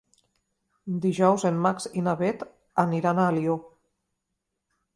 Dijous en Max i na Bet aniran a Alió.